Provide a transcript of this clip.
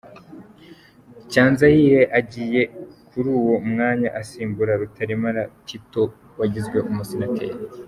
Cyanzayire agiye kuri uwo mwanya asimbuye Rutaremara Tite wagizwe Umusenateri.